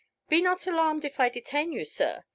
Be not alarmed if I detain you, sir.